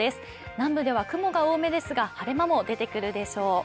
南部では雲が多めですが、晴れ間も出てくるでしょう。